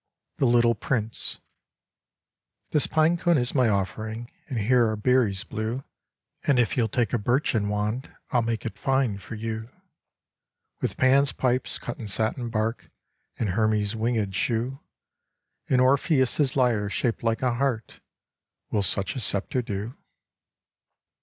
The Little Prince This pine cone is my offering, And here are berries blue, And if you'll take a birchen wand, I'll make it fine for you, With Pan's pipes cut in satin bark, And Hermes' winged shoe, And Orpheus' lyre shaped like a heart. Will such a scepter do?